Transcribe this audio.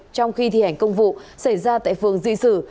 trong khi thi hành công vụ xảy ra tại phường dị xử